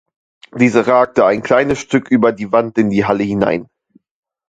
Diese ragte ein kleines Stück über die Wand in die Halle hinein.